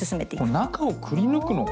中をくりぬくのか。